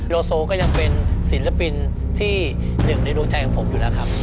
โลโซก็ยังเป็นศิลปินที่หนึ่งในดวงใจของผมอยู่แล้วครับ